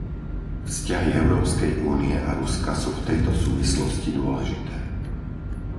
Vzťahy Európskej únie a Ruska sú v tejto súvislosti dôležité.